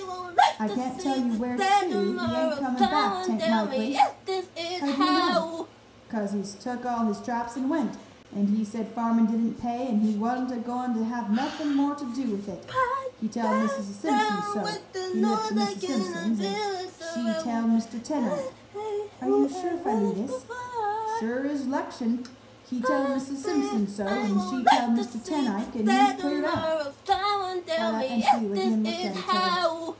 "I can't tell you where teu he ain't coming back, 'tain't likely." "How do you know?" "'Cause he's tuk all his traps and went, and he said farming didn't pay and he wa'n't a going to have nothin' more to deu with it; he telled Mis' Simpson so he lived to Mis' Simpson's; and she telled Mr. Ten Eyck." "Are you sure, Philetus?" "Sure as 'lection! he telled Mis' Simpson so, and she telled Mr. Ten Eyck; and he's cleared out." Fleda and Hugh again looked at each other.